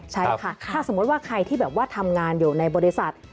ใช่ค่ะถ้าสมมุติว่าใครที่แบบว่าทำงานอยู่ในบริษัท